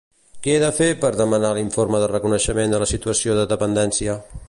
Què he de fer per demanar l'informe de reconeixement de la situació de dependència?